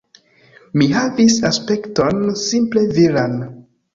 Mi havis aspekton simple viran.